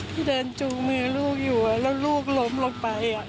ที่เดินจูงมือลูกอยู่แล้วลูกล้มลงไป